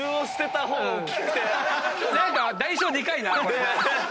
何か代償でかいな。